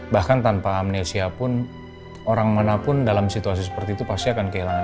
bahkan tanpa amnesia pun orang manapun dalam situasi seperti itu pasti akan kehilangan